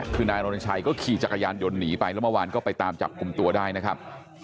คือนายรณชัยก็ขี่จักรยานยนต์หนีไปแล้วเมื่อวานก็ไปตามจับกลุ่มตัวได้นะครับ